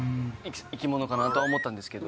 生き物かなとは思ったんですけど。